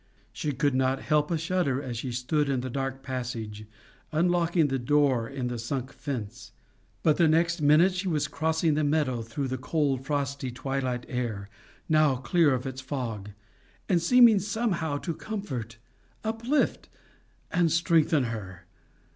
She could not help a shudder as she stood in the dark passage unlocking the door in the sunk fence, but the next minute she was crossing the meadow through the cold frosty twilight air, now clear of its fog, and seeming somehow to comfort, uplift, and strengthen her.